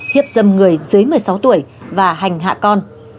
hiếp dâm người dưới một mươi sáu tuổi và hành hạ con